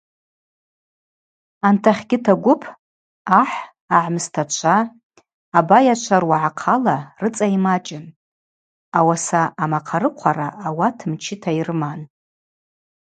Антахьгьыт агвып: ахӏ, агӏмыстачва, абайачва руагӏахъала рыцӏа ймачӏын, ауаса амахъарыхъвара ауат мчыта йрыман.